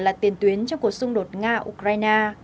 là tiền tuyến trong cuộc xung đột nga ukraine